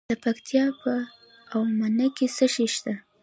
د پکتیکا په اومنه کې څه شی شته؟